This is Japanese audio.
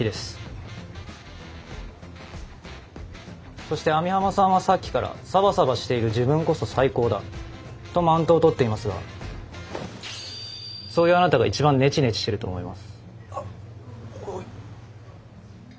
そして網浜さんはさっきから「サバサバしている自分こそ最高だ」とマウントをとっていますがそういうあなたが一番ネチネチしていると思います。